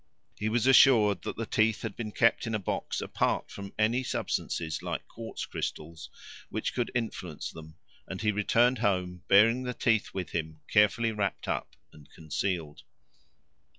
He was assured that the teeth had been kept in a box apart from any substances, like quartz crystals, which could influence them; and he returned home bearing the teeth with him carefully wrapt up and concealed.